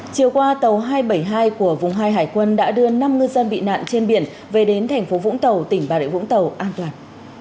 chiều qua tàu hai trăm bảy mươi hai của vùng hai hải quân đã đưa năm ngư dân bị nạn trên biển về đến thành phố vũng tàu tỉnh bà rịa vũng tàu an toàn